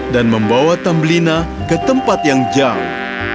dan membawa tambelina ke tempat yang jauh